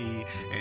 え？